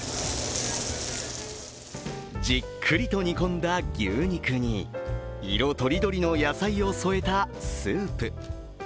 じっくりと煮込んだ牛肉に、色とりどりの野菜を添えたスープ。